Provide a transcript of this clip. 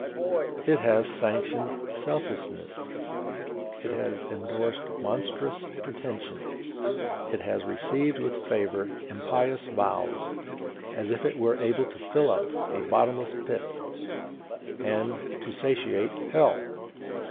It has sanctioned selfishness; it has indorsed monstrous pretensions; it has received with favor impious vows, as if it were able to fill up a bottomless pit, and to satiate hell!